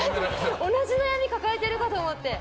同じ悩み抱えているかと思って。